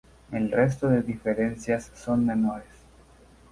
El resto de diferencias son menores.